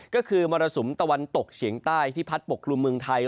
ก็คือมรสุมตะวันตกเฉียงใต้ที่พัดปกครุมเมืองไทย